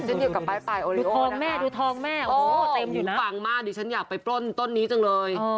ดูทองแม่เต็มอยู่นะลูกปังมากดิฉันอยากไปปล้นต้นนี้จังเลย